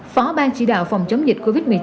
phó ban chỉ đạo phòng chống dịch covid một mươi chín